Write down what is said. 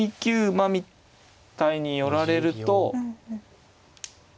馬みたいに寄られると。